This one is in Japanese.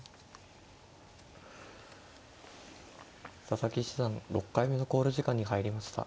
佐々木七段６回目の考慮時間に入りました。